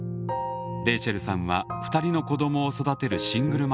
レイチェルさんは２人の子どもを育てるシングルマザー。